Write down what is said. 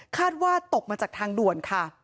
ว่าตกมาจากทางด่วนค่ะ